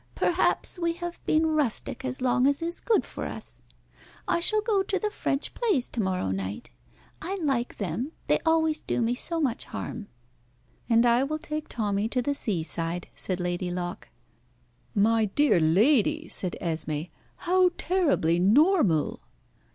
Perhaps we have been rustic as long as is good for us. I shall go to the French plays to morrow night. I like them they always do me so much harm." "And I will take Tommy to the seaside," said Lady Locke. "My dear lady," said Esmé. "How terribly normal!"